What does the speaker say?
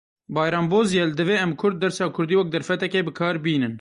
Bayram Bozyel: Divê em Kurd dersa kurdî wek derfetekê bikar bînin